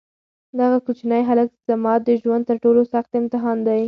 دغه کوچنی هلک زما د ژوند تر ټولو سخت امتحان دی.